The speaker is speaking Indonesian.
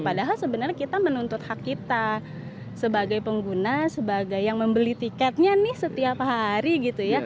padahal sebenarnya kita menuntut hak kita sebagai pengguna sebagai yang membeli tiketnya nih setiap hari gitu ya